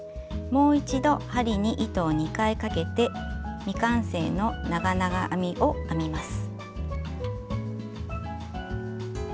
最後は糸を１回かけて未完成の長編みを編みます。